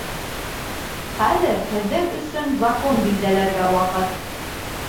Хәҙер һеҙҙең өсөн Закон билдәләргә ваҡыт.